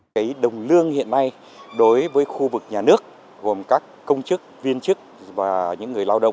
cái đồng lương hiện nay đối với khu vực nhà nước gồm các công chức viên chức và những người lao động